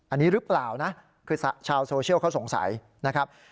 อันนี้หรือเปล่านะคือชาวโซเชียลเขาสงสัยนะครับ